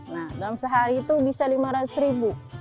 nah dalam sehari itu bisa rp lima ratus